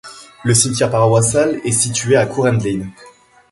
Le cimetière paroissial est situé à Courrendlin.